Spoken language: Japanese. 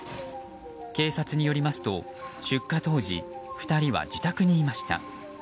警察によりますと出火当時、２人は自宅にいました。